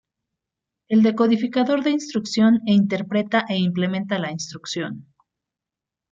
El decodificador de instrucción interpreta e implementa la instrucción.